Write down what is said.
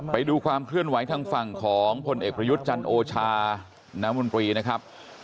ไปดูความเคลื่อนไหวทางฝั่งของพลเอกประยุทธ์จันทร์โอชาน้ำมนตรีนะครับ